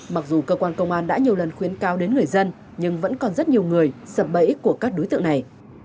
mặc dù cơ quan công an đã nhiều lần khuyến cao đến người dân nhưng vẫn còn rất nhiều người sập bẫy của các đối tượng này